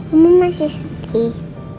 oma masih sedih